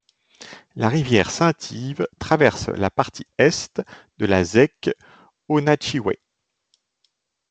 La rivière Saint-Yves traverse la partie Est de la zec Onatchiway.